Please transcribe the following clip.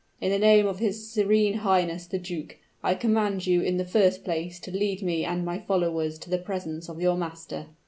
"In the name of his serene highness, the duke, I command you in the first place to lead me and my followers to the presence of your master."